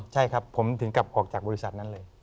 ใช่ครับผมถึงกลับออกจากบริษัทนั้นเลย